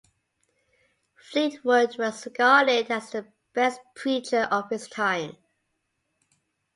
Fleetwood was regarded as the best preacher of his time.